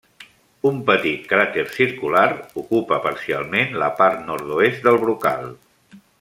Un petit cràter circular ocupa parcialment la part nord-oest del brocal.